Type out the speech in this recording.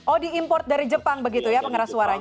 oh diimpor dari jepang begitu ya penggeras suaranya